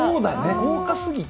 豪華すぎて。